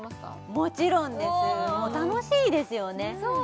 もちろんです楽しいですよね